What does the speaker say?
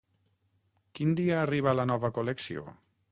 Quin dia arriba la nova col·lecció?